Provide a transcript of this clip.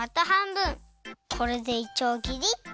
これでいちょうぎりっと。